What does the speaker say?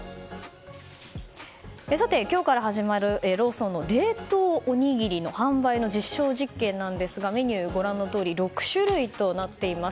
今日から始まるローソンの冷凍おにぎりの販売の実証実験なんですがメニューはご覧のとおり６種類となっています。